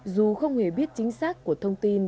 dù không hề biết chính xác của thông tin